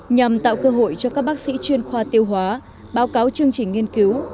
nhằm tạo cơ hội cho các bác sĩ chuyên khoa tiêu hóa báo cáo chương trình nghiên cứu